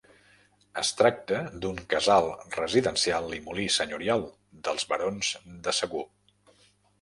Es tracta d'un casal residencial i molí senyorial dels barons de Segur.